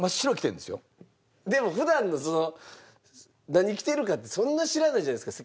でも普段のその何着てるかってそんな知らないじゃないですか